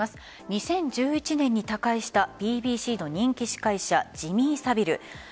２０１１年に他界したＢＢＣの人気司会者ジミー・サビル。